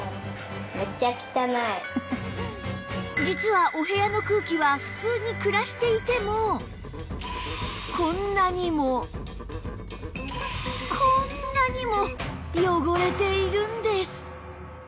実はお部屋の空気は普通に暮らしていてもこんなにもこんなにも汚れているんです